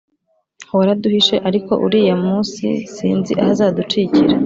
waraduhishe ariko uriya musi sinzi ahuzaducikira"